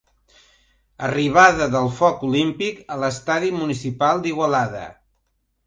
Arribada del foc olímpic a l'Estadi Municipal d'Igualada.